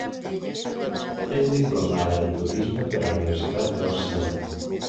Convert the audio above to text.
És diplomada en turisme per la Universitat de Barcelona.